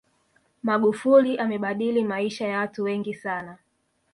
magufuli amebadili maisha ya watu wengi sana